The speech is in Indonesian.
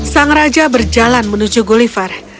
sang raja berjalan menuju gulliver